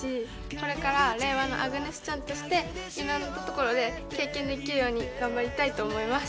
これから令和のアグネス・チャンとして色んなところで経験できるように頑張りたいと思います。